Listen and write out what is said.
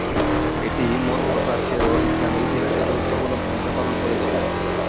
এটি মধ্য প্রাচ্যের ও ইসলামের ইতিহাসে গুরুত্বপূর্ণ ভূমিকা পালন করেছিল।